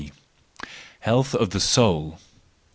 Health of the Soul